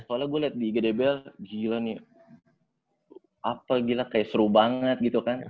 soalnya gue liat di dbl gila nih apa gila kayak seru banget gitu kan